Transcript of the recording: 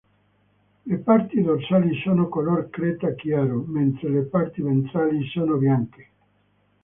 Le parti dorsali sono color creta chiaro, mentre le parti ventrali sono bianche.